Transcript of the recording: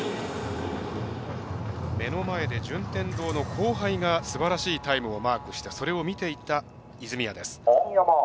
目の前で順天堂の後輩がすばらしいタイムをマークしてそれを見ていた泉谷です。